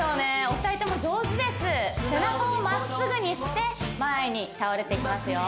お二人とも上手です背中をまっすぐにして前に倒れていきますよ